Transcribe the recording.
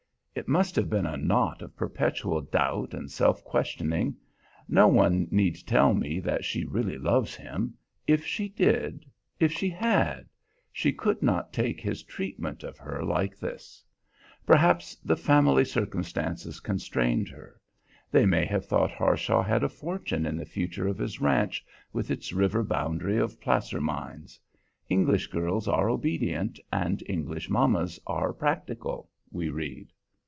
It must have been a knot of perpetual doubt and self questioning. No one need tell me that she really loves him; if she did, if she had, she could not take his treatment of her like this. Perhaps the family circumstances constrained her. They may have thought Harshaw had a fortune in the future of his ranch, with its river boundary of placer mines. English girls are obedient, and English mammas are practical, we read.